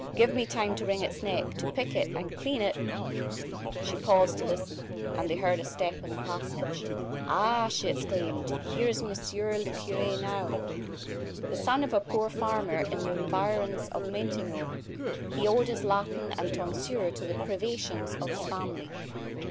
Give me time to wring its neck, to pick it, and clean it " She paused to listen, and they heard a step in the passage. "Ah!" she exclaimed, "here is Monsieur le Cure now!" The son of a poor farmer in the environs of Montaignac, he owed his Latin and tonsure to the privations of his family.